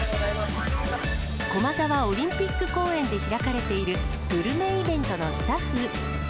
駒沢オリンピック公園で開かれているグルメイベントのスタッフ。